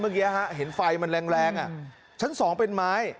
นะฮะเห็นไฟมันแรงอะชั้น๒เป็นไม้